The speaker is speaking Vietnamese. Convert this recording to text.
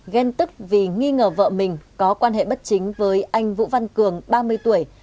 ghen tức vì nghi ngờ vợ mình có quan hệ bất chính với anh vũ văn cường ba mươi tuổi